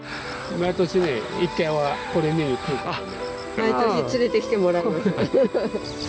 毎年、連れてきてもらうんです。